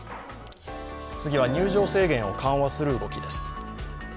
次は入場制限を緩和する動きです。